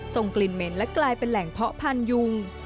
ส่งกลิ่นเหม็นและกลายเป็นแหล่งเพาะพันยุง